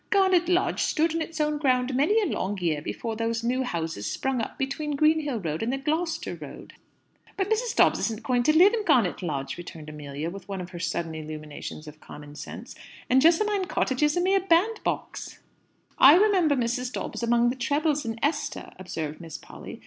"Garnet Lodge stood in its own ground many a long year before those new houses sprung up between Greenhill Road and the Gloucester Road." "But Mrs. Dobbs isn't going to live in Garnet Lodge!" returned Amelia, with one of her sudden illuminations of common sense. "And Jessamine Cottage is a mere bandbox." "I remember Mrs. Dobbs among the trebles in 'Esther,'" observed Miss Polly.